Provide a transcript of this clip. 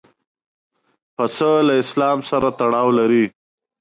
پسه له اسلام سره تړاو لري.